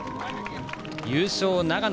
優勝、長野。